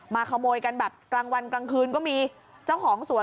ขโมยกันแบบกลางวันกลางคืนก็มีเจ้าของสวน